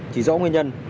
chỉ dẫu nguyên nhân